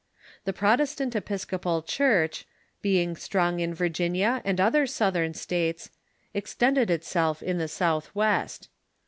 The Protestant Epis copal Church, being strong in Virginia and other Southern states, extended itself in the Southwest.